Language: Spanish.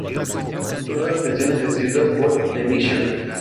Josep Ma.